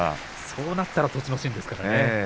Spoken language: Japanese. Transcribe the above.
そうなると栃ノ心ですからね。